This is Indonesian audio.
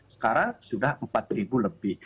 sekarang sudah rp empat lebih